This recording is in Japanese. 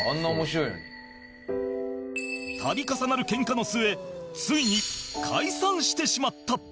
度重なるケンカの末ついに解散してしまった